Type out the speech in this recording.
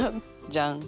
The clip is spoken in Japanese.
じゃん。